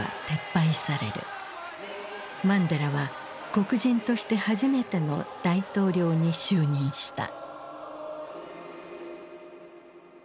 マンデラは黒人として初めての大統領に就任した。